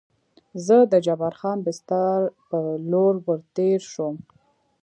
زه د جبار خان بستر په لور ور تېر شوم.